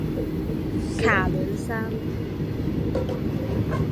卡伦山。